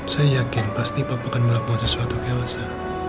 saya yakin pasti papa akan melakukan sesuatu ke elsa